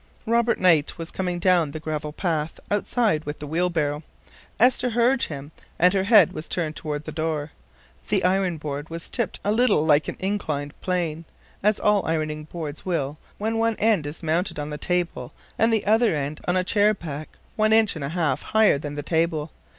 Robert Knight was coming down the gravel path outside with the wheelbarrow. Esther heard him and her head was turned toward the door. The ironing board was tipped a little like an inclined plane, as all ironing boards will when one end is mounted on the table and the other end on a chair back one inch and a half higher than the table.